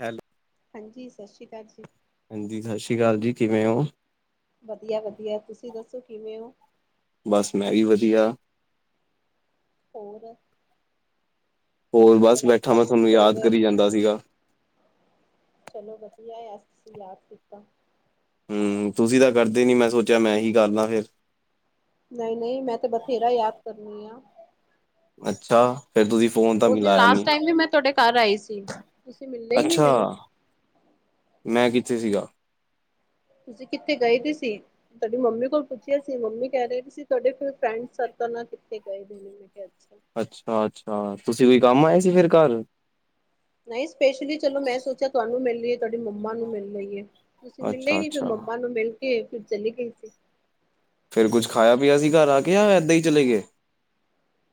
Hello. ਹਾਂਜੀ ਸਤਿ ਸ੍ਰੀ ਅਕਾਲ ਜੀ। ਹਾਂਜੀ ਸਤਿ ਸ੍ਰੀ ਅਕਾਲ ਜੀ ਕਿਵੇਂ ਔ। ਵਧੀਆ-ਵਧੀਆ ਤੁਸੀਂ ਦੱਸੋ ਕਿਵੇਂ ਔ। ਬਸ ਮੈਂ ਵੀ ਵਧੀਆ। ਹੋਰ। ਹੋਰ ਬਸ ਅੱਜ ਬੈਠਾ ਕੱਲ ਮੈਂ ਕੀ ਤੁਹਾਨੂੰ ਚੱਲ ਯਾਦ ਰਿਹਾ ਕਰੀ ਜਾਂਦਾ ਸੀਗਾ। ਚਲੋ ਵਧੀਏ ਅ ਤੁਸੀਂ ਯਾਦ ਕੀਤਾ। ਹੂ ਤੁਸੀਂ ਤਾਂ ਕਰਦੇ ਨੀ ਮੈਂ ਸੋਚਿਆ ਮੈਂ ਹੀ ਕਰ ਲਾ ਫੇਰ। ਨਈ-ਨਈ ਮੈਂ ਤੇ ਬਥੇਰਾ ਯਾਦ ਕਰਨੀ ਆਂ। ਅੱਛਾ। ਫਿਰ ਤੁਸੀਂ ਫੋਨ ਤਾਂ ਉਸ ਦਿਨ ਮਿਲਾਇਆ ਲਾਸਟ ਨੀ ਟਾਈਮ ਵੀ ਮੈਂ ਤੁਆਡੇ ਘਾਰ ਆਈ ਸੀ ਤੁਸੀਂ ਮਿਲੇ ਈ ਨੀ ਅੱਛਾ ਮੈਨੂੰ। ਮੈਂ ਕਿੱਥੇ ਸੀਗਾ। ਤੁਸੀਂ ਕਿੱਥੇ ਗਏ ਦੇ ਸੀ। ਤੁਆਡੀ ਮੰਮੀ ਕੋਲ ਪੁੱਛਿਆ ਸੀ, ਮੰਮੀ ਕਹ ਰੇ ਸੀ ਤੁਹਾਡੇ ਫਰੈਂਡ ਸਰਕਲ ਨਾਲ ਕਿੱਥੇ ਗਏ ਹੋਏ ਨੇ। ਮੈਂ ਕੇਹਾ ਅੱਛਾ। ਅੱਛਾ-ਅੱਛਾ ਤੁਸੀਂ ਕੋਈ ਕਾਮ ਆਏ ਸੀ ਫੇਰ ਘਾਰ। ਨਈ ਸਪੈਸ਼ਲੀ ਚਲੋ ਮੈਂ ਸੋਚਿਆ ਤੁਆਨੂੰ ਮਿਲ ਲਈਏ ਤੁਹਾਡੀ ਮੰਮਾ ਨੂੰ ਮਿਲ ਲਈਏ। ਤੁਸੀਂ ਮਿਲੇ ਅੱਛਾ ਨੀ ਫੇਰ ਅੱਛਾ ਮੰਮਾ ਨੂੰ ਮੇਲ ਕੇ ਫੇਰ ਚਲੀ ਗਈ ਸੀ। ਫੇਰ ਕੁੱਝ ਖਾਇਆ ਪਿਆ ਸੀ ਘਾਰ ਆ ਕੇ ਯਾ ਏਦਾਂ ਈ ਚਲੇ ਗਏ।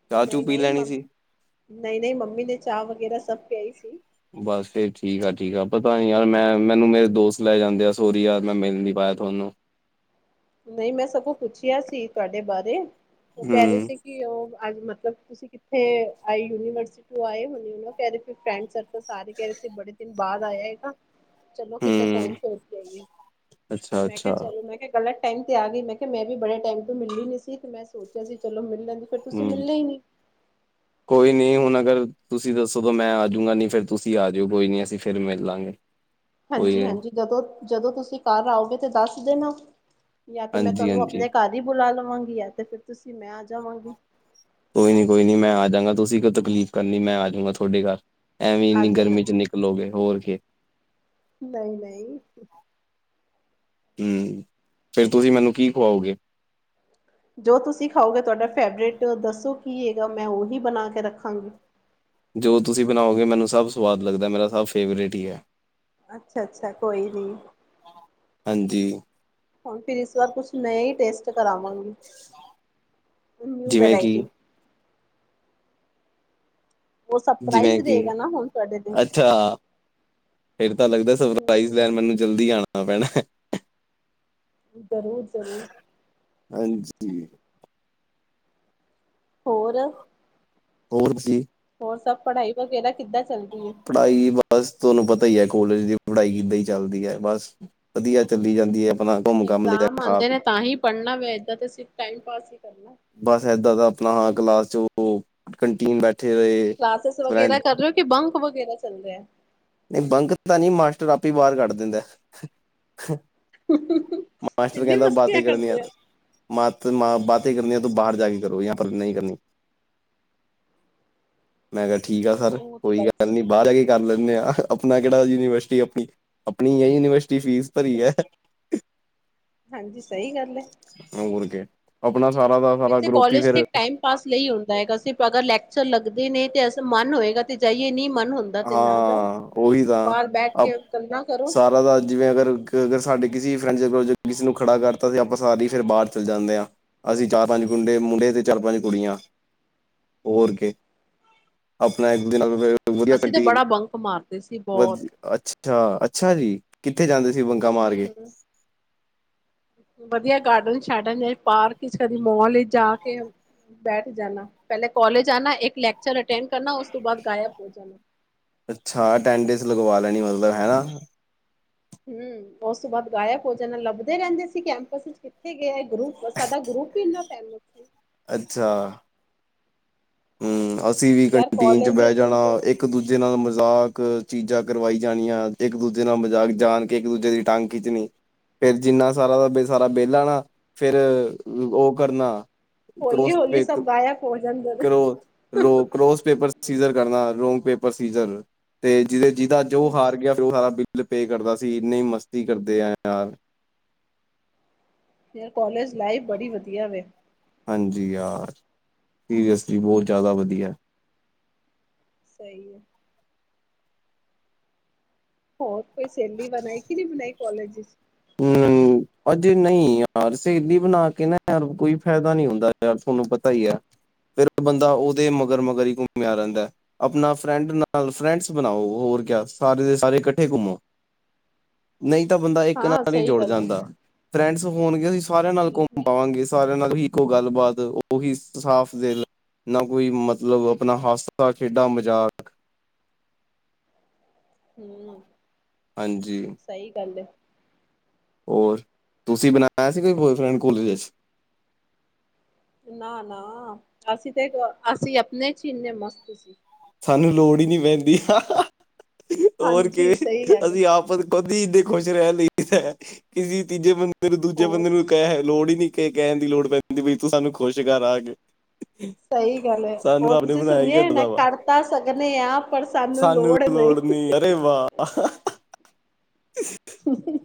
ਚਾਹ ਚੂ ਪੀ ਨਈ-ਨਈ ਲੈਣੀ ਮੰ ਸੀ ਨਈ-ਨਈ ਮੰਮੀ ਨੇ ਚਾਹ ਵਗੈਰਾ ਸਭ ਪਿਆਈ ਸੀ। ਬਸ ਫੇਰ ਠੀਕ ਏ ਠੀਕ ਏ ਪਤਾ ਨੀ ਯਾਰ ਮੈਂ ਮੈਨੂੰ ਮੇਰੇ ਦੋਸਤ ਲੈ ਜਾਂਦੇ ਏ ਸੋਰੀ ਯਾਰ ਮੈਂ ਮੇਲ ਨੀ ਪਾਇਆ ਤੁਆਨੂੰ। ਨਈ ਮੈਂ ਸਗੋਂ ਪੁੱਛਿਆ ਸੀ, ਤੁਆਡੇ ਬਾਰੇ ਕਹ ਰੇ ਹਮ ਸੀ ਕਿ ਉ ਅੱਜ ਮਤਲਬ ਤੁਸੀਂ ਕਿੱਥੇ ਆਈ ਯੂਨੀਵਰਸ ਤੋ ਆਏ ਉ ਕਹ ਰੇ ਸੀ ਫਰੈਂਡ ਸਰਕਲ ਸਾਰੇ ਕਹ ਰੇ ਸੀ ਬੜੇ ਦਿਨ ਬਾਅਦ ਆਏ ਹੈਗਾ। ਚਲੋ ਕਿਤੇ ਹਮ ਘੁੰਮ ਫਿਰ ਕੇ ਆਈਏ ਅੱਛਾ ਮੈਂ ਕਿਆ ਅੱਛਾ ਚਲੋ ਮੈਂ ਕਿਆ ਗਲਤ ਟਾਈਮ ਤੇ ਆ ਗੀ ਮੈਂ ਕਿਆ ਮੈਂ ਵੀ ਬੜੇ ਟਾਈਮ ਤੋਂ ਮਿਲੀ ਨੀ ਸੀ ਤੇ ਮੈਂ ਸੋਚਿਆ ਸੀ ਚਲੋ ਮਿਲਾ ਗੀ ਫੇਰ ਤੁਸੀਂ ਹਮ ਮਿਲੇ ਈ ਨੀ। ਕੋਈ ਨੀ ਹੁਣ ਅਗਰ ਤੁਸੀਂ ਦੱਸੋ ਤਾਂ ਮੈਂ ਆਜੂਗਾ ਨਈ ਫੇਰ ਤੁਸੀਂ ਆ ਜਾਈੳ ਕੋਈ ਨੀ ਅਸੀਂ ਫੇਰ ਮਿਲ ਲਾਂਗੇ। [inaudible] [inaudible] ਨਹੀਂ, ਹਾਂਜੀ-ਹਾਂਜੀ, ਜਦੋਂ-ਜਦੋਂ ਤੁਸੀਂ ਘਰ ਆਓਗੇ ਤਾਂ ਦੱਸ ਦੇਣਾ। ਯਾ ਤੇ ਮੈਂ ਹਾਂਜੀ ਤੁਹਾਨੂੰ ਹਾਂਜੀ ਆਪਣੇ ਘਰ ਈ ਬੁਲਾ ਲਵਾਂਗੀ। ਯਾ ਤੇ ਫੇਰ ਤੁਸੀਂ ਮੈਂ ਆ ਜਾਵਾਂਗੀ। ਕੋਈ ਨੀ -ਕੋਈ ਨੀ, ਮੈਂ ਆ ਜਾਊਗਾ, ਤੁਸੀਂ ਕਯੋ ਤਕਲੀਫ਼ ਕਰਨੀ ਮੈਂ ਆਜੂਂਗਾ ਤੁਆਡੇ ਘਰ ਐਵੇ ਆ ਇੰਨੀ ਜਾਣਾ ਗਰਮੀ ਚ ਨਿਕ ਲੋ ਗੇ ਹੋਰ ਖੇ। ਨਈ-ਨਈ। ਹ, ਫੇਰ ਤੁਸੀਂ ਮੈਨੂੰ ਕੀ ਖਵਾਓਗੇ। ਜੋ ਤੁਸੀਂ ਖਾਓਗੇ, ਤੁਆਡਾ ਫੇਵਰੇਟ ਦੱਸੋ ਕੀ ਹੈਗਾ। ਮੈਂ ਉਹੀ ਬਣਾ ਕੇ ਰੱਖਾਂਗੀ। ਜੋ ਤੁਸੀਂ ਬਣਾਓਗੇ, ਮੈਨੂੰ ਸਭ ਸਵਾਦ ਲੱਗਦਾ। ਮੇਰਾ ਸਭ ਫੇਵਰੇਟ ਈ ਏ। ਅੱਛਾ-ਅੱਛਾ, ਕੋਈ ਨੀ। ਹਾਂਜੀ। ਹੁਣ ਫੇਰ ਏਸ ਵਾਰ ਕੁਛ ਨੇਆ ਈ ਟੇਸਟ ਕਰਾਵਾਂਗੀ। ਨਿਊ ਜਿਵੇਂ ਕਿ। ਵਰਾਇਟੀ ਉਹ ਜਿਵੇਂ ਸਰਪ੍ਰਾਈਜ਼ ਕਿ ਰਹੇਗਾ ਨਾ ਹੁਣ ਤੁਹਾਡੇ ਲਈ ਅੱਛਾ, ਫੇਰ ਤਾਂ ਲੱਗਦਾ ਸਰਪ੍ਰਜ਼ ਹਮ ਮੈਨੂੰ ਜਲਦੀ ਆਉਣਾ ਵ ਪੈਣਾ। ਜ਼ਰੂਰ-ਜ਼ਰੂਰ ਹਾਂਜੀ ਹੋਰ ਹੋਰਸੀ ਹੋਰ ਸਭ ਪੜ੍ਹਾਈ ਵਗੈਰਾ ਕਿੱਦਾਂ ਚੱਲ ਰਹੀ ਹੈ। ਪੜ੍ਹਾਈ ਬੱਸ ਤੁਹਾਨੂੰ ਪਤਾ ਹੀ ਹੈ। ਕੋਲੇਜ ਦੀ ਪੜ੍ਹਾਈ ਕਿੱਦਾਂ ਹੀ ਚੱਲਦੀ ਹੈ। ਬਸ ਵਧੀਆ ਚੱਲੀ ਜਾਂਦੀਏ। ਆਪਣਾ ਘੁੰਮ ਘਮ ਲੈ ਕੇ ਇਗਜ਼ਾਮ ਕੇ ਖਾ ਆਉਂਦੇ ਕੇ। ਨੇ ਤਾਂ ਹੀ ਪੜ੍ਹਨਾ ਵ ਏਦਾਂ ਤੇ ਅ ਟਾਈਮ ਪਾਸ ਹੀ ਕਰਨਾ। ਬਸ ਏਦਾਂ ਦਾ ਆਪਣਾ ਹਾਲ ਕਲਾਸ ਚ, ਉਹ ਕੰਟੀਨ ਬੈਠੇ ਰਹੇ ਕਲਾਸਿਸ ਵਗੈਰਾ ਫਰੈਂਡ ਕਰ ਰਹੇ ਹੋ ਕਿ ਬੰਕ ਵਗੈਰਾ ਚੱਲ ਰਿਹਾ। ਨਹੀਂ, ਬੰਕ ਤਾਂ ਨਹੀਂ ਮਾਸਟਰ ਆਪੇ ਬਾਹਰ ਕੱਢ ਦਿੰਦਾ। ਮਾਸਟਰ ਇੰਨੀ ਕਹਿੰਦਾ ਬਾਤ ਮਸਤੀਆਂ ਹੀ ਕਰਨੀਆਂ। ਕਰਦੇ ਆ ਮ ਬਾਤ ਕਰਨੀ ਹੈ। ਤੂੰ ਬਾਹਰ ਜਾ ਕੇ ਕਰੋ ਯ ਪਰ ਨਹੀਂ ਕਰਨੀ। ਮੈਂ ਕਿਹਾ, ਠੀਕ ਆ ਸਰ, ਉਹ ਤੇ ਕੋਈ ਗੱਲ ਸਹੀ ਨੀ, ਬਾਹਰ ਜਾ ਕੇ ਕਰ ਲੈਂਦੇ ਆ। ਆਪਣਾ ਕਿਹੜਾ ਯੂਨੀਵਰਸਿਟੀ ਆਪਣੀ-ਆਪਣੀ ਹੈ। ਯੂਨੀਵਰਸਿਟੀ ਫੀਸ ਭਰੀ ਸਹੀ ਹੈ। ਹਾਂਜੀ, ਸਹੀ ਗੱਲ ਹੈ। ਹੋਰ ਕੇ ਆਪਣਾ ਸਾਰਾ ਦਾ ਸਾਰਾ ਵੈਸੇ ਗਰੁੱਪ ਹੀ ਕਾਲਜ ਤੇ ਫਿਰ ਟਾਈਮ ਪਾਸ ਲਈ ਹੁੰਦਾ ਹੈਗਾ ਅ। ਅਗਰ ਲੈਕਚਰ ਲੱਗਦੇ ਨੇ ਤੇ ਅ ਮਨ ਹੋਏਗਾ ਤੇ ਜਾਈਏ ਨਹੀਂ ਮਨ ਹੁੰਦਾ। ਤੇ ਨਾ ਜਾਓ। ਹਾਂ। ਉਹੀ ਤਾਂ ਬਾਹਰ ਬੈਠ ਅ ਕੇ ਗੱਲਾਂ ਕਰੋ ਸਾਰਾ ਤਾਂ ਜਿਵੇਂ ਅਗਰ ਅਗਰ ਸਾਡੇ ਕਿਸੇ ਫਰੈਂਡ ਜ ਕਿਸੇ ਨੂੰ ਖੜਾ ਕਰਤਾ ਸੀ। ਆਪਾਂ ਸਾਰੇ ਫਿਰ ਬਾਹਰ ਚੱਲ ਜਾਂਦੇ ਹਾਂ। ਅਸੀਂ ਚਾਰ- ਪੰਜ, ਗੰਡੇ ਮੁੰਡੇ ਤੇ ਚਾਰ- ਪੰਜ ਕੁੜੀਆਂ ਹੋਰ ਕੇ ਆਪਣਾ ਇੱਕ ਦਿ ਅਸੀਂ ਤਾਂ ਬੜਾ ਬੰਕ ਮਾਰਦੇ ਸੀ। ਬਹੁਤ ਅੱਛਾ-ਅੱਛਾ ਜੀ, ਕਿੱਥੇ ਜਾਂਦੇ ਸੀ ਬੰਗਾ ਹੂੰ ਮਾਰ ਕੇ। ਹੂੰ ਵਧੀਆ ਗਾਰਡਨ ਸ਼ਾਰਡਨ ਪਾਰਕ ਚ ਕਦੀ ਮੋਲ ਵਿਚ ਜਾ ਕੇ। ਬੈਠ ਜਾਣਾ। ਪਹਿਲੇ ਕਾਲਜ ਆਣਾ, ਇੱਕ ਲੈਕਚਰ ਅਟੈਂਡ ਕਰਨਾ। ਉਸ ਤੋਂ ਬਾਅਦ ਗਾਇਬ ਹੋ ਜਾਣਾ। ਅੱਛਾ, ਅਟੈਨ ਡੇਸ ਲਗਵਾ ਲੈਣੀ ਮਤਲਬ ਹੈਨਾ। ਹਮ, ਉਸ ਤੋਂ ਬਾਅਦ ਗਾਇਕ ਹੋ ਜਾਣਾ ਲੱਭਦੇ ਰਹਿੰਦੇ। ਅਸੀਂ ਕੈਂਪਸ ਵਿੱਚ ਕਿੱਥੇ ਗਏ। ਗਰੁੱਪ, ਸਾਡਾ ਗਰੁਪ ਇੰਨਾ ਫੇਮਸ ਸੀ। ਅੱਛਾ। ਹੂਂ ਅਸੀਂ ਵੀ ਯਾਰ ਕੰਟੀਨ ਚ ਕਾਲਜ ਦੇ ਬੈਹ ਦਿਨ ਜਾਣਾ ਤੇ ਇੱਕ ਇੱਕ ਦੂਜੇ ਨਾਲ ਮਜ਼ਾਕ ਚੀਜ਼ਾਂ ਕਰਵਾਈ ਜਾਣੀਆਂ, ਇੱਕ ਦੂਜੇ ਨਾਲ ਮਜ਼ਾਕ ਜਾਣ ਕੇ ਇੱਕ ਦੂਜੇ ਦੀ ਟੰਗ ਖਿੱਚਣੀ, ਫੇਰ ਜਿੰਨਾ ਸਾਰਾ ਦਾ ਬਿ ਸਾਰਾ ਬਿਲ ਆਨਾ ਫੇਰ ਓਹ ਕਰਨਾ। ਕ੍ਰੋਸਪੇਕ ਹੈ ਭੋਜਨ ਗਰ ਕਰੋ ਰੋ ਕਰੋਸ ਪੇਪਰਸ ਸੀਜਰ ਕਰਨਾ ਰੋਂਗ ਪੇਪਰ ਸੀਜ਼ਰ ਤੇ ਜਿਦੇ ਜਿਦਾ ਜੋ ਹਾਰ ਗੇਆ ਓ ਸਾਰਾ ਬਿੱਲ ਪੇ ਕਰਦਾ ਸੀ, ਇੰਨੀ ਮਸਤੀ ਕਰਦੇ ਐ ਯਾਰ ਯ ਕੋਲਜ ਲਾਈਫ ਬੜੀ ਵਦੀਆ ਵੇ। ਹਾਂਜੀ ਯਾਰ ਸੀਰੀਅਸਲੀ ਬਹੋਤ ਜ਼ਿਆਦਾ ਵਦੀਐ। ਸਈ ਐ। ਹੋਰ ਕੋਈ ਸੇਲੀ ਬਣਾਈ ਕਿ ਨਈ ਬਣਾਈ ਕੋਲੇਜ ਇਚ। ਹੂਂ। ਅਜੇ ਨਂਈ ਯਾਰ ਸਹੇਲੀ ਬਣਾ ਕੇ ਨਾ ਯਾਰ ਕੋਈ ਫਾਏਦਾ ਨੀ ਹੁੰਦਾ ਯਾਰ ਤੁਆਨੂੰ ਪਤਾ ਈ ਐ। ਫੇਰ ਬੰਦਾ ਉਹਦੇ ਮਗਰ-ਮਗਰ ਈ ਘੁੰਮੇਆ ਰੈਂਦੈ। ਆਪਣਾ ਫਰੈਂਡ ਨਾਲ ਫਰੈਂਡਸ ਬਣਾਓ ਹੋਰ ਕਿਆ ਸਾਰੇ ਦੇ ਸਾਰੇ ਕੱਠੇ ਘੁੰਮੋ। ਨਂਈ ਤਾਂ ਬੰਦਾ ਇੱਕ ਨਾ ਹਾਂ ਸਹੀ ਗੱਲ ਹੈ। ਫਰੈਂਡਸ ਹੋਣਗੇ ਅਸੀਂ ਸਾਰੇਆਂ ਨਾਲ ਘੁੰਮ ਪਾਵਾਂਗੇ। ਸਾਰੇਆਂ ਨਾਲ ਹੀ ਇੱਕੋ ਗਾੱਲਬਾਤ ਓਹੀ ਸਾਫ ਦਿਲ ਨਾ ਕੋਈ ਮਤਲਬ ਅਪਨਾ ਹਾਸਾ ਖੇਡਾਂ ਮਜ਼ਾਕ ਹੂੰ ਹਾਂਜੀ। ਸਈ ਗੱਲ ਐ। ਹੋਰ, ਤੁਸੀਂ ਬਣਾਆ ਸੀ ਕੋਈ ਬੋਏਫਰੈਂਡ ਕੋਲਜ ਚ ਨਾ-ਨਾ ਅਸੀਂ ਤੇ ਅਸੀਂ ਆਪਨੇ ਚ ਈ ਇੰਨੇ ਮਸਤ ਸੀ। ਸਾਨੂੰ ਲੋੜ ਈ ਨੀ ਪੈਂਦੀ, ਹੋਰ ਹਾਂਜੀ ਕਿਵੇਂ ਸਹੀ ਗੱਲ ਹੈ ਅਸੀਂ ਆਪਸ ਅਦੀ ਇਂਦੈ ਈ ਖੁਸ਼ ਰੈ ਲਈ ਦੀਦੈ, ਕਿਸੀ ਤੀਜੇ ਬੰਦੇ ਨੂੰ ਦੂਜੇ ਹੋਰ ਬੰਦੇ ਨੂੰ ਕੈਹ, ਲੋੜ ਈ ਨੀ। ਏ ਕੈਣ ਦੀ ਲੋੜ ਪੈਂਦੀ ਬਈ ਤੂੰ ਸਾਨੂੰ ਖੁਸ਼ ਕਰ ਆ ਕੇ। ਸਹੀ ਸਾਨੂੰ ਰੱਬ ਨੇ ਬਣਾਆ ਈ ਐਂਦਾ ਦਾ ਵਾ। ਤਾਂ ਸਕਨੇ ਆ। ਸਾਨੂੰ ਵੀ ਲੋੜ ਨੀ, ਅਰੇ ਵਾਹ! [inaudible]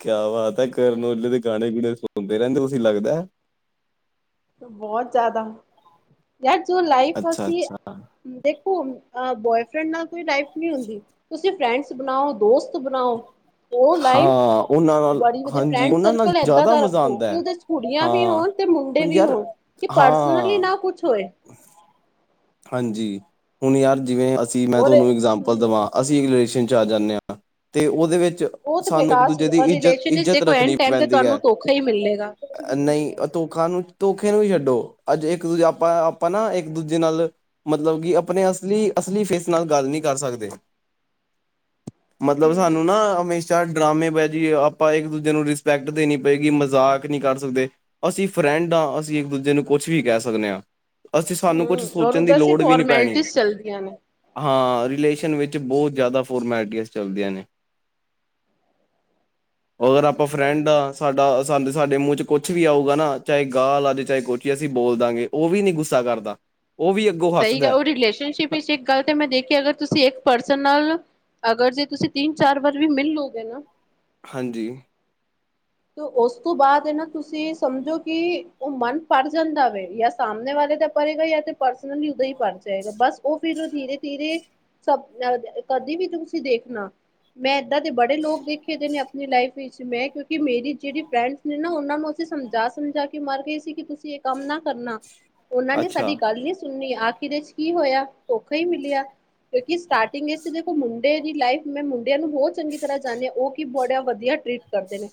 ਕੇਆ ਬਾਤ ਐ, ਕਰਨ ਔਜਲੇ ਦੇ ਗਾਣੇ-ਗੁਣੇ ਸੁਣਦੇ ਰੈਂਦੇ ਤੁਸੀਂ ਲੱਗਦੈ। ਬਹੋਹ ਜਾਦਾ, ਯਾਰ ਜੋ ਲਾਈਫ ਅੱਛਾ ਅਸੀਂ ਅੱਛਾ ਦੇਖੋ, ਅ ਬੋਏਫ੍ਰੈਂਡ ਨਾਲ ਕੋਈ ਲਾਈਫ ਨੀ ਹੁੰਦੀ ਤੁਸੀਂ ਫਰੈਂਡਸ ਬਣਾਓ, ਦੋਸਤ ਬਣਾਓ। ਓ ਲਾਈਫ, ਹਾਂ ਉਹਨਾਂ ਨਾਲ ਬੜੀ ਵਦੀਆ ਹਾਂਜੀ ਫਰੈਂਡ ਉਹਨਾਂ ਨਾਲ ਸਰਕਲ ਏਦਾਂ ਜ਼ਿਆਦਾ ਦਾ ਮਜ਼ਾ ਰੱਖੋ, ਆਉਂਦਾ ਕਿ ਹੈ ਓਦੇ ਚ ਕੁੜੀਆਂ ਵੀ ਹਾਂ ਹੋਣ ਤੇ ਮੁੰ ਡੇ ਹੁਣ ਵੀ ਯਾਰ ਹੋਨ ਕਿ ਪਰਸਨਲੀ ਹਾਂ ਨਾ ਕੁਛ ਹੋਏ। ਹਾਂਜੀ, ਹੁਨ ਯਾਰ ਜਿਵੇਂ ਅਸੀਂ ਮੈਂ ਔਰ ਤੁਆਨੂੰ ਇਗਜਾਮਪਲ ਹਮ ਦਵਾਂ ਅਸੀਂ ਰਿਲੇਸ਼ਨ ਚ ਆ ਜਾਂਨੇ ਆਂ ਤਾਂ, ਤੇ ਓਦੇ ਵੇੱਚ ਉਹ ਤੇ ਸਾਨੂੰ ਬੇਕਾਰ ਸੀ। ਇੱਕ-ਦੂਜੇ ਦੀ ਔਰ ਰਿਲੇਸ਼ਨ ਵਿੱਚ ਇੱਜ਼ਤ-ਇੱਜ਼ਤ ਦੇਖੋ ਐਨ ਰੱਖਣੀ ਟਾਈਮ ਤੇ ਪੈਂਦੀ ਐ, ਤੁਹਾਨੂੰ ਧੋਖਾ ਹੀ ਮਿਲੇਗਾ ਕੁਛ ਵੀ ਨਹੀਂ ਨਈਂ। ਮਿਲੇਗਾ ਧੋਖਾ ਨੂੰ ਧੋਖੇ ਨੂੰ ਵੀ ਛੱਡੋ, ਅੱਜ ਇੱਕ ਦੂਜੇ ਆਪਾਂ-ਆਪਾਂ ਨਾ ਇੱਕ-ਦੂਜੇ ਨਾਲ ਮਤਲਬ ਕਿ ਅਪਨੇ ਅਸਲੀ-ਅਸਲੀ ਫੇਸ ਨਾਲ ਗੱਲ ਨੀ ਕਰ ਸਕਦੇ। ਮਤਲਬ ਹਮ ਸਾਨੂੰ ਨਾ ਹਮੇਸ਼ ਸ਼ਾ ਡਰਾਮੇ ਬਾਜੀ ਆਪਾਂ ਇੱਕ ਦੂਜੇ ਨੂੰ ਰਿਸਪੈਕਟ ਦੇਨੀ ਪਏਗੀ, ਮਜ਼ਾਕ ਨੀ ਕਰ ਸਕਦੇ। ਅਸੀਂ ਫਰੈਂਡ ਆਂ, ਅਸੀਂ ਇੱਕ ਦੂਜੇ ਨੂੰ ਕੁਛ ਵੀ ਕਹਿ ਸਕਨੇ ਆ, ਅਸੀਂ ਸਾਨੂੰ ਕੁਛ ਹਮ ਔਰ ਸੋਚਣ ਦੀ ਉੱਦਾਂ ਸੀ ਲੋੜ ਵੀ ਨਹੀਂ ਪੈਣੀ ਫੋਰਮੈਲਟੀਜ਼ ਚੱਲਦੀਆਂ ਨੇ। ਹਾਂ, ਰਿਲੇਸ਼ਨ ਵਿੱਚ ਬੋਹਤ ਜਿਆਦਾ ਫੋਰਮੈਲਿਟੀਆਜ਼ ਚੱਲਦੀਆਂ ਨੇ। ਅਗਰ ਆਪਾਂ ਫਰੈਂਡ ਸਹੀ ਆ। ਹੈ ਸਾਡਾ ਸਾਡੇ -ਸਾਡੇ ਮੂੰਹ ਚ ਕੁਛ ਵੀ ਆਊਗਾ ਨਾ, ਚਾਹੇ ਗਾਲ੍ਹ ਆਜੇ ਚਾਹੇ ਕੁਛ ਅਸੀਂ ਬੋਲ ਦਾਂਗੇ ਓ ਵੀ ਨੀ ਗੁੱਸਾ ਕਰਦਾ। ਉਹ ਵੀ ਅੱਗੋਂ ਸਈ ਹੱਸਦਾ ਗੱਲ ਓ ਰਿਲੇਸ਼ਨਸ਼ਿਪ ਹ- ਵਿੱਚ ਇੱਕ ਗੱਲ ਤੇ ਮੈਂ ਦੇਖਿਆ ਅਗਰ ਤੁਸੀਂ ਇੱਕ ਪਰਸਨ ਨਾਲ ਅਗਰ ਜੇ ਤੁਸੀਂ ਤਿੰਨ-ਚਾਰ ਵਾਰ ਵੀ ਮਿਲ ਲੋਗੇ ਨਾ ਹਾਂਜੀ। ਤੋ ਓਸ ਤੋਂ ਬਾਅਦ ਏ ਨਾ ਤੁਸੀਂ ਸਮਝੋ ਕਿ, ਓ ਮਨ ਭਰ ਜਾਂਦਾ ਵੇ ਯਾਂ ਸਾਹਮਣੇ ਵਾਲੇ ਦਾ ਭਰੇਗਾ, ਯਾਂ ਤੇ ਪਰਸਨਲੀ ਓਦਾਂ ਈ ਭਰ ਜਾਏਗਾ ਬਸ ਓ ਫਿਰ ਓ ਧੀਰੇ-ਧੀਰੇ, ਸਬ ਅ ਕਦੇ ਵੀ ਤੁਸੀਂ ਦੇਖਣਾ। ਮੈਂ ਏਦਾਂ ਦੇ ਬੜੇ ਲੋਕ ਦੇਖੇ ਦੇ ਨੇ ਆਪਨੀ ਲਾਈਫ ਵਿੱਚ ਮੈਂ ਕਿਉਂਕ ਕਿ ਮੇਰੀ ਜੇੜੀ ਫਰੈਂਡਸ ਨੇ ਨਾ ਓਨਾਂ ਨੂੰ ਅਸੀਂ ਸਮਝਾ-ਸਮਝਾ ਕੇ ਮਰ ਗਏ ਸੀ ਕਿ ਤੁਸੀਂ ਏਹ ਕੰਮ ਨਾ ਕਰਨਾ। ਓਨਾਂ ਨੇ ਸਾਡੀ ਅੱਛਾ ਗੱਲ ਨਈਂ ਸੁਨਨੀ, ਆਖਿਰ ਰੇ ਚ ਕੀ ਹੋਇਆ, ਧੋਖਾ ਈ ਮਿਲਿਆ। ਕਿਉਂਕਿ ਸਟਾਰਟਿੰਗ ਚ ਦੇਖੋ ਮੁੰਡੇ ਦੀ ਲਾਈਫ ਮੈਂ ਮੁੰਡਿਆਂ ਨੂੰ ਬੋਹਤ ਚੰਗੀ ਤਰਾਂ ਜਾਣਦੀ ਆਂ, ਓ ਕਿ ਬੋੜਾ ਵਦੀਆ ਟਰੀਟ ਕਰਦੇ ਨੇ।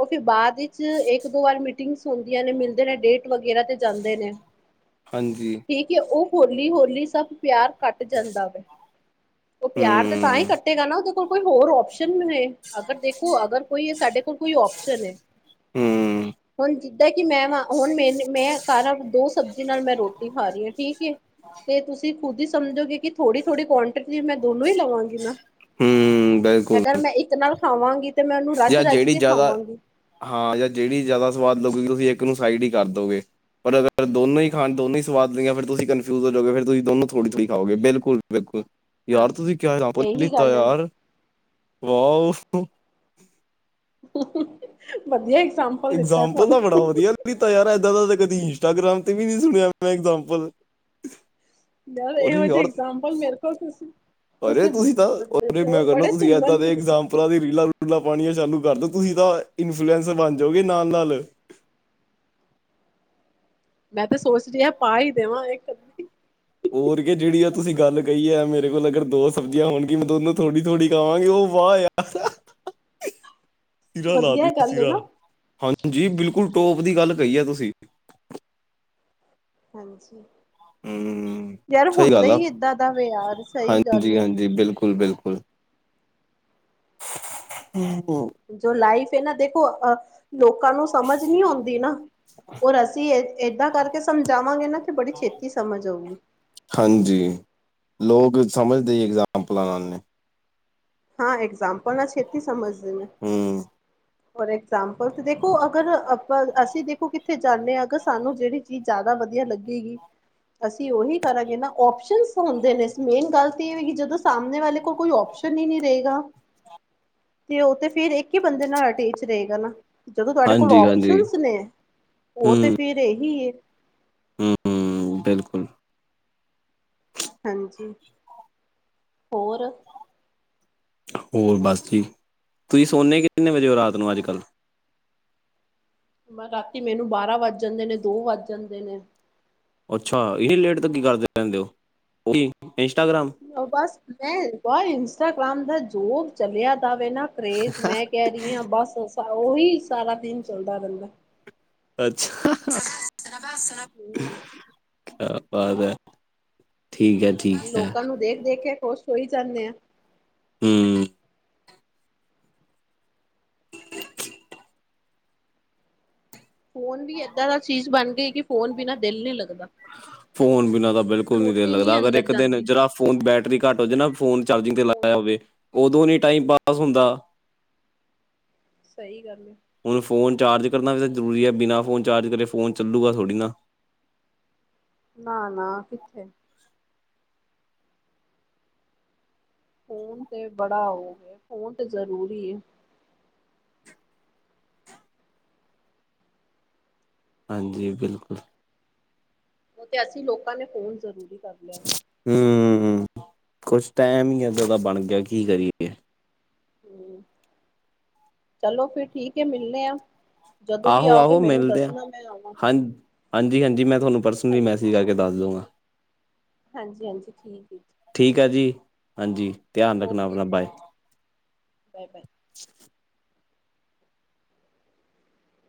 ਓ ਫਿਰ ਬਾਅਦ ਵਿਚ ਇਕ-ਦੋ ਵਾਰ ਮੀਟਿੰਗਸ ਹੁੰਦੀਆਂ ਨੇ ਮਿਲਦੇ ਨੇ ਡੇਟ ਵਗੈਰਾ ਤੇ ਜਾਂਦੇ ਨੇ। ਹਾਂਜੀ। ਠੀਕ ਐ, ਓ ਹੋਲੀ-ਹੋਲੀ ਸਬ ਪਿਆਰ ਘਟ ਜਾਂਦਾ ਵੈ ਓ ਪਿਆਰ ਤੇ ਤਾਂ ਹੀ ਹੂੰ ਘਟ ਗਾ ਨਾ ਓਦੇ ਕੋਲ ਕੋਈ ਹੋਰ ਓਪਸ਼ਨਸ ਨੇ, ਅਗਰ ਦੇਖੋ ਅਗਰ ਕੋਈ ਸਾਡੇ ਕੋਲ ਕੋਈ ਓਪਸ਼ਨ ਏ। ਹੂੰ ਹੁਣ ਜਿੱਦਾਂ ਕਿ ਮੈਂ ਵਾਂ, ਹੁਣ ਮੇਨ ਮੈਂ ਘਰ ਦੋ ਸਬਜ਼ੀ ਨਾਲ ਮੈਂ ਰੋਟੀ ਖਾ ਰਈ ਆਂ ਠੀਕ ਏ ਤੇ ਤੁਸੀਂ ਖੁਦ ਈ ਸਮਝੋਗੇ ਕਿ ਥੋੜ੍ਹੀ-ਥੋੜ੍ਹੀ ਕੁਆਂਟਿਟੀ ਮੈਂ ਦੋਨੋਂ ਹੀ ਲਵਾਂਗੀ ਨਾ, ਹੂੰ ਬਿਲਕੁਲ ਅਗਰ ਮੈਂ ਇੱਕ ਨਾਲ ਖਾਵਾਂਗੀ ਤੇ ਮੈਂ ਉਹਨੂੰ ਰੱਜ ਜਾਂ ਰੱਜ ਜਿਹੜੀ ਕੇ ਜ਼ਿਆਦਾ ਖਾਵਾਂਗੀ ਹਾਂ ਜਾਂ ਜਿਹੜੀ ਜ਼ਿਆਦਾ ਸਵਾਦ ਲਗੂਗੀ, ਤੁਸੀਂ ਇੱਕ ਨੂੰ ਸਾਈਡ ਹੀ ਕਰ ਦੋਗੇ, ਪਰ ਅਗਰ ਦੋਨੋਂ ਹੀ ਖਾ ਦੋਨੋਂ ਹੀ ਸਵਾਦ ਨਈ ਫਿਰ ਤੁਸੀਂ ਕਨਫਿਊਜ ਹੋੋਜੋਗੇ, ਫਿਰ ਤੁਸੀਂ ਥੋੜ੍ਹੀ-ਥੋੜ੍ਹੀ ਖਾਓਗੇ। ਬਿਲਕੁਲ-ਬਿਲਕੁਲ ਹਾਂ ਯਾਰ ਤੁਸੀਂ ਕਿਆ ਇਹੀ ਲਿੱਤਾ ਗੱਲ ਹੈ ਯਾਰ ਵਾਹੋ। ਵਧੀਆ ਇਗਜ਼ਾਮਪਲ ਦਿੱਤਾ ਇਗਜਾਮਪਲ ਤੁਹਾਨੂੰ ਤਾਂ ਬੜਾ ਵਧੀਆ ਦਿਤਾਂ ਯਾਰ, ਏਦਾਂ ਦਾ ਕਦੀ ਇੰਸਟਾਗ੍ਰਾਮ ਤੇ ਵੀ ਨੀ ਸੁਣਿਆ ਇਗਜਾਮ੍ਹਪਲ। ਯਾਰ ਇਹੋ ਜਿਹੇ ਐਗਜਾਮਪਲ ਮੇਰੇ ਕੋਲ ਤੁਸੀ ਅਰੇ ਤੁਸੀਂ ਤਾਂ, ਅਰੇ ਮੈਂ ਕਹਣਾ ਤੁਸੀਂ ਸੁੰਦਰ ਏਦਾਂ ਦੇ ਇਗਜ਼ਾਮਪਲਾਂ ਦੀ ਰੀਲਾ -ਰੂਲਾ ਪਾਣੀਆ ਚਾਲੂ ਕਰਦੋ ਤੁਸੀਂ ਤਾਂ, ਇਨਫਲੂਐਂਸਰ ਬਣ ਜਾਓਗੇ ਨਾਲ-ਨਾਲ। ਮੈਂ ਤੇ ਸੋਚਦੀ ਹਾਂ ਪਾ ਹੀ ਦੇਵਾਂ ਇਕ। ਹੋਰ ਜਿਹੜੀ ਆ ਤੁਸੀਂ ਗੱਲ ਕਹੀ ਹੈ, ਮੇਰੇ ਕੋਲ ਅਗਰ ਦੋ ਸਬਜ਼ੀਆਂ ਹੋਣਗੇ ਮੈਂ ਦੋਨੂੰ ਥੋੜ੍ਹੀ-ਥੋੜ੍ਹੀ ਖਾਵਾਂ ਗੇ, ਉਹ ਵਾਹ ਯਾਰ ਸਿਰਾ ਲਾ ਵਧੀਆ ਦਿਓ ਗੱਲ ਹੈ ਸਿਰਾ। ਨਾ ਹਾਂਜੀ ਜੀ ਬਿਲਕੁਲ ਟੋਪ ਦੀ ਗੱਲ ਕਹੀ ਹੈ ਤੁਸੀਂ। ਹਾਂਜੀ, ਹਮ ਯਾਰ ਸਹੀ ਹੁੰਦਾ ਗੱਲ ਹੀ ਏਦਾਂ ਦਾ ਵੇ ਯਾਰ ਸਹੀ ਗੱਲ ਏ। ਜੀ ਬਿਲਕੁਲ-ਬਿਲਕੁਲ। ਹਮ। ਜੋ ਲਾਈਫ ਹੈ ਨਾ ਦੇਖੋ, ਅ ਲੋਕਾਂ ਨੂੰ ਸਮਝ ਨੀ ਆਉਂਦੀ ਨਾ। ਔਰ ਅਸੀਂ ਏਦਾਂ ਕਰਕੇ ਸਮਝਾਵਾਂਗੇ ਨਾ ਤੇ ਬੜੀ ਛੇਤੀ ਸਮਝ ਆਊਗੀ। ਹਾਂਜੀ, ਲੋਕ ਸਮਝਦੇ ਐਗਜ਼ਾਮਪਲਾਂ ਨਾਲ ਨੇ। ਹਾਂ ਐਕਜ਼ਾਮਪਲ ਨਾਲ ਛੇਤੀ ਸਮਝਦੇ ਨੇ। ਹਮ ਫੋਰ ਇਗਜਾਪਲ ਤੇ ਦੇਖੋ, ਅਗਰ ਅਪ ਅਸੀਂ ਦੇਖੋ ਕਿਥੇ ਜਾਂਨੇ ਹਾਂ ਅਗਰ ਸਾਨੂੰ ਜਿਹੜੀ ਚੀਜ਼ ਜ਼ਿਆਦਾ ਵਧੀਆ ਲੱਗੇਗੀ ਅਸੀਂ ਉਹੀ ਕਰਾਂਗੇ ਨਾ, ਓਪਸ਼ਨ ਹੁੰਦੇ ਨੇ ਮੇਨ ਗੱਲ ਤੇ ਇਹ ਕਿ ਜਦੋਂ ਸਾਹਮਣੇ ਵਾਲੇ ਕੋ ਕੋਈ ਓਪਸ਼ਨ ਨਹੀਂ ਰਹੇਗਾ, ਤੇ ਉਹ ਤੇ ਫੇਰ ਇੱਕ ਹੀ ਬੰਦੇ ਨਾਲ ਅਟੇਚ ਰਹੇਗਾ ਨਾ। ਜਦੋਂ ਤੁਹਾਡੇ ਕੋਲ ਹਾਂਜੀ ਹਾਂਜੀ ਓਪਸ਼ਨ ਨੇ, ਉਹ ਤੇ ਫੇਰ ਇਹੀ ਐ। ਹੂ- ਹੂ, ਬਿਲਕੁਲ। ਹਾਂਜੀ, ਹੋਰ। ਹੋਰ ਬਸ ਠੀਕ, ਤੁਸੀਂ ਸੋਨੇ ਕਿੰਤਨੇ ਵਜੇ ਹੋ ਰਾਤ ਨੂੰ ਅੱਜ -ਕੱਲ੍ਹ? ਮ ਰਾਤੀ ਮੈਨੂੰ ਬਾਰਾਂ ਵੱਜ ਜਾਂਦੇ ਨੇ, ਦੋ ਵੱਜ ਜਾਂਦੇ ਨੇ। ਅੱਛਾ! ਇਨੀ ਲੇਟ ਤੋਂ ਕੀ ਕਰਦੇ ਰਹਿੰਦੇ ਹੋ, ਓਹੀ ਇੰਸਟਾਗ੍ਰਾਮ। ਬਸ ਮੈਂ ਬਸ ਇੰਸਟਾਗ੍ਰਾਮ ਦਾ ਜੋ ਚਲਿਆ ਦਾ ਵੇ ਨਾ ਕਰੇਜ ਮੈਂ ਕਹਿ ਰ ਬਸ ਉਹੀ ਸਾਰਾ ਦਿਨ ਚੱਲਦਾ ਰਹਿੰਦਾ। ਅੱਛਾ। ਹਮ ਕਿਆ ਬਾਤ ਐ, ਠੀਕ ਐ। ਲੋਕਾਂ ਨੂੰ ਦੇਖ-ਦੇਖ ਕੇ ਖੁਸ਼ ਹੋਈ ਜਾਂਨੇ ਆ। ਹੂ। ਫੋਨ ਵੀ ਏਦਾਂ ਦਾ ਚੀਜ਼ ਬਣ ਗਈ, ਕਿ ਫੋਨ ਬਿਨਾਂ ਦਿਲ ਨੀ ਲੱਗਦਾ। ਫੋਨ ਬਿਨਾਂ ਤਾਂ ਬਿਲਕੁਲ ਨੀ ਦਿਲ ਰੋਟੀ ਲੱਗਦਾ, ਅਗਰ ਅੰਦਰ ਇੱਕ ਦਿਨ ਜਾਂਦੀ ਜਰਾ ਫੋਨ ਦੀ ਬੈਟਰੀ ਘੱਟ ਹੋ ਜੇ ਨਾ, ਫੋਨ ਚਾਰਜਿੰਗ ਤੇ ਫੋਨ ਲਾਇਆ ਹੋਵੇ, ਉਦੋਂ ਨੀ ਟਾਈਮ ਪਾਸ ਹੁੰਦਾ। ਸਹੀ ਗੱਲ ਐ। ਹੁਣ ਫੋਨ ਚਾਰਜ ਕਰਨਾ ਵੀ ਤਾਂ ਜ਼ਰੂਰੀ ਹੈ, ਬਿਨਾਂ ਫੋਨ ਚਾਰਜ ਕਰੇ ਫੋਨ ਚੱਲੂਗਾ ਥੋੜ੍ਹੀ ਨਾ। ਨਾ -ਨਾ ਕਿੱਥੇ। ਫੋਨ ਤੇ ਬੜਾ ਉਹ ਹੋ ਗਿਆ, ਫੋਨ ਤੇ ਜ਼ਰੂਰੀ ਹੈ। ਹਾਂਜੀ, ਬਿਲਕੁਲ। ਓ ਤੇ ਅਸੀਂ ਲੋਕਾਂ ਨੇ ਫੋਨ ਜ਼ਰੂਰੀ ਕਰ ਲਿਆ ਏ। ਹੂ, ਹੂ, ਹੂ ਕੁਛ ਟੈਮ ਹੀ ਏਦਾਂ ਦਾ ਬਣ ਗਿਆ, ਕੀ ਕਰੀਏ? ਹੂ, ਚਲੋ ਫਿਰ ਠੀਕ ਐ, ਮਿਲਣੇ ਆ। ਜਦੋਂ ਵੀ ਆਹੋ ਆਓਗੇ, ਆਹੋ ਮੈਨੂੰ ਮਿਲਦੇ ਆ ਦੱਸਣਾ ਮੈਂ ਆਵਾਂਗੀ। ਹਾਂ ਹਾਂਜੀ, ਹਾਂਜੀ ਮੈਂ ਤੁਹਾਨੂੰ ਪਰਸਨਲੀ ਮੈਸੇਜ ਕਰ ਕੇ ਦੱਸ ਦੂੰਗਾ। ਹਾਂਜੀ-ਹਾਂਜੀ ਠੀਕ ਐ ਜੀ। ਠੀਕ ਐ ਜੀ, ਹਾਂਜੀ। ਧਿਆਨ ਰੱਖਨਾ ਆਪਨਾ ਬਾਏ। ਬਾਏ-ਬਾਏ।